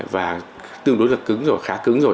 và tương đối là cứng rồi khá cứng rồi